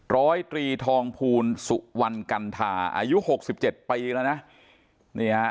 ร้อยตรีทองภูลสุวรรณกัณฑาอายุหกสิบเจ็ดปีแล้วนะนี่ฮะ